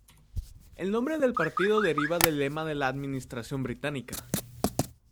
El nombre del partido deriva del lema de la administración británica.